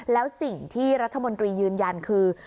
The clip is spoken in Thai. แล้วสิ่งที่รัฐมนตรียืนยันคือ